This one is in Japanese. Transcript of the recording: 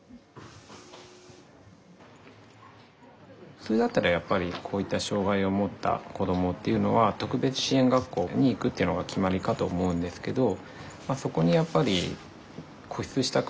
普通だったらやっぱりこういった障害をもった子どもっていうのは特別支援学校に行くっていうのが決まりかと思うんですけどそこにやっぱり固執したくはなかったので。